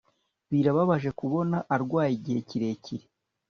Birababaje kubona arwaye igihe kirekire